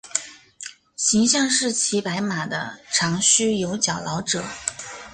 形象是骑白马的长须有角老者。